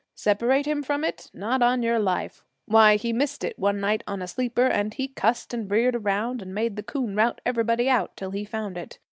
Separate him from it? Not on your life. Why, he missed it one night on a sleeper, and he cussed and reared around, and made the coon rout everybody out till he found it.